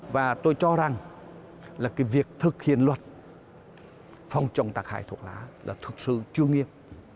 và tôi cho rằng việc thực hiện luật phòng chống tạc hại thuốc lá là thực sự chưa nghiêm